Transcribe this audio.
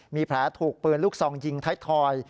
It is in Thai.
มีแผลถูกปืนลูกซองยิงไทยทอย